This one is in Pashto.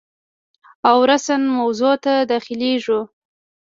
او راساً موضوع ته داخلیږو.